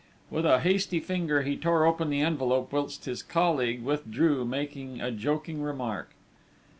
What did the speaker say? With a hasty finger, he tore open the envelope whilst his colleague withdrew making a joking remark.